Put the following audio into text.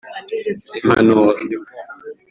impanuro